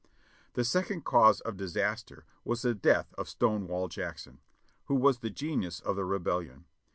The second cause of disaster was the death of Stonewall Jack son, who was the genius of the Rebellion.